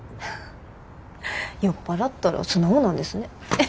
酔っ払ったら素直なんですね。